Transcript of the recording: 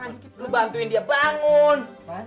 lu bantuin dia bangun